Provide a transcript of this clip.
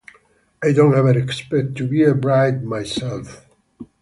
I don’t ever expect to be a bride myself.